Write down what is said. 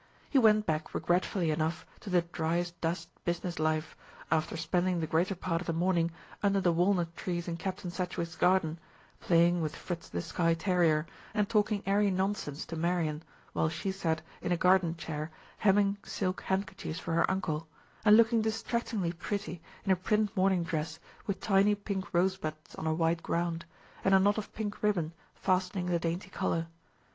He went back regretfully enough to the dryasdust business life, after spending the greater part of the morning under the walnut trees in Captain Sedgewick's garden, playing with Fritz the Skye terrier, and talking airy nonsense to Marian, while she sat in a garden chair hemming silk handkerchiefs for her uncle, and looking distractingly pretty in a print morning dress with tiny pink rosebuds on a white ground, and a knot of pink ribbon fastening the dainty collar.